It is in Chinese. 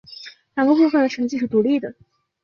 两个部分的成绩是独立的。